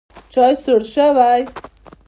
چای سوړ شوی